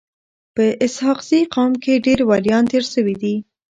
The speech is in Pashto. په اسحق زي قوم کي ډير وليان تیر سوي دي.